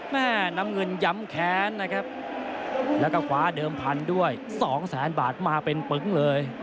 แม่น้ำเงินย้ำแค้นนะครับแล้วก็คว้าเดิมพันธุ์ด้วยสองแสนบาทมาเป็นปึ๊งเลย